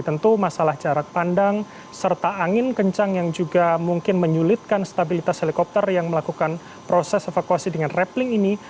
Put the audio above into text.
tentu masalah jarak pandang serta angin kencang yang juga mungkin menyulitkan stabilitas helikopter yang melakukan proses evakuasi dengan rappling ini